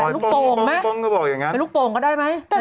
รูปโป่งมั้ย